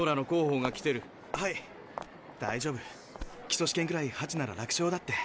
基礎試験ぐらいハチなら楽勝だって。